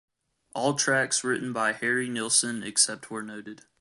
All tracks written by Harry Nilsson except where noted.